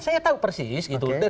saya tahu persis gitu